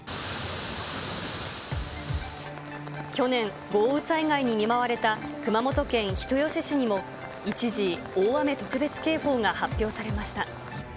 去年、豪雨災害に見舞われた熊本県人吉市にも、一時、大雨特別警報が発表されました。